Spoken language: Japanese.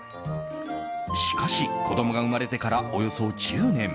しかし、子供が生まれてからおよそ１０年。